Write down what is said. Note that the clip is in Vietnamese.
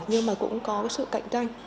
nhưng mà cũng có sự cạnh tranh